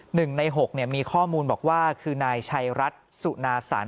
หนึ่งในหกมีข้อมูลบอกว่าคือนายชัยรัฐสุนาสัน